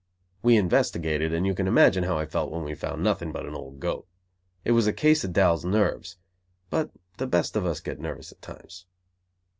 We investigated, and you can imagine how I felt when we found nothing but an old goat. It was a case of Dal's nerves, but the best of us get nervous at times.